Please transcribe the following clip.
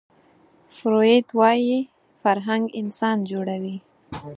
فروید وايي فرهنګ انسان جوړوي